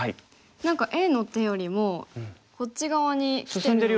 何かＡの手よりもこっち側にきてる。